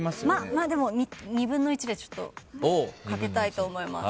でも２分の１でちょっとかけたいと思います。